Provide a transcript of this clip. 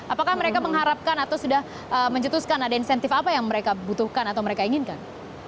apakah mereka mengharapkan atau sudah mencetuskan ada insentif apa yang mereka butuhkan atau mereka inginkan